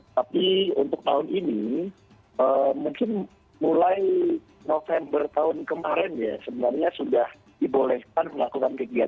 tapi untuk tahun ini mungkin mulai november